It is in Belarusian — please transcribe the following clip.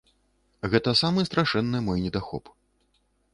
Гэта самы страшэнны мой недахоп.